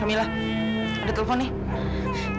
kamila ada telepon nih